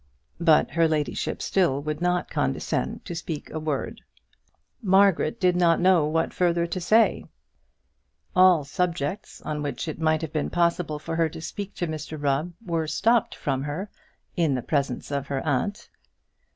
But her ladyship still would not condescend to speak a word. Margaret did not know what further to say. All subjects on which it might have been possible for her to speak to Mr Rubb were stopped from her in the presence of her aunt.